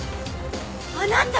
あなた！